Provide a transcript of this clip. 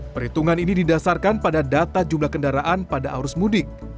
perhitungan ini didasarkan pada data jumlah kendaraan pada arus mudik